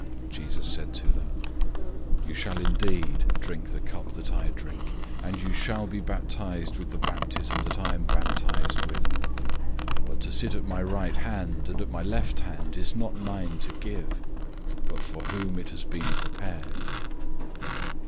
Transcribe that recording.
Jesus said to them, "You shall indeed drink the cup that I drink, and you shall be baptized with the baptism that I am baptized with; 010:040 but to sit at my right hand and at my left hand is not mine to give, but for whom it has been prepared."